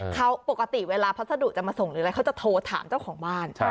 เขาปกติเวลาพัสดุจะมาส่งหรืออะไรเขาจะโทรถามเจ้าของบ้าน